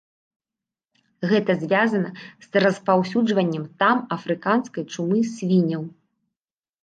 Гэта звязана з распаўсюджаннем там афрыканскай чумы свінняў.